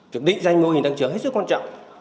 chuẩn định danh mô hình tăng trưởng hết sức quan trọng